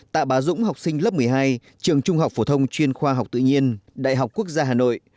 tạ bá dũng học sinh lớp một mươi hai trường trung học phổ thông chuyên khoa học tự nhiên đại học quốc gia hà nội